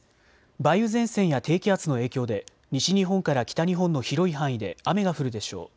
梅雨前線や低気圧の影響で西日本から北日本の広い範囲で雨が降るでしょう。